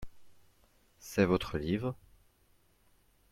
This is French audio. C'est votre livre ?